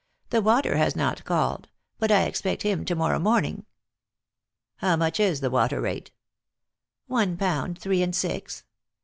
The water has not called ; but I expect him to morrow morning." " How much is the water rate ?"" One pound three and six."